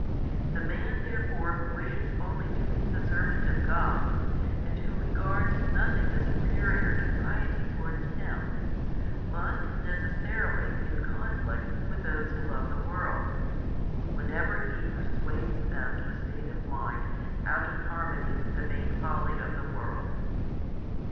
The |416 man therefore who wishes only to be the servant of God, and who regards nothing as superior to piety towards Him, must necessarily be in conflict with those who love the world, whenever he persuades them to a state of mind out of harmony with the vain folly of the world.